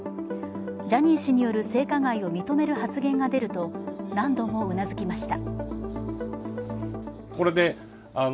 ジャニー氏による性加害を認める発言が出ると何度もうなずきました。